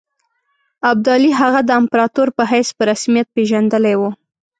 ابدالي هغه د امپراطور په حیث په رسمیت پېژندلی وو.